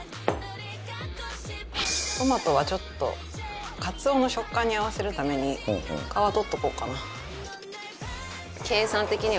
トマトはちょっとカツオの食感に合わせるために皮取っておこうかな。